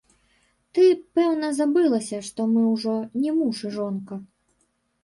Ты, пэўна, забылася, што мы ўжо не муж і жонка?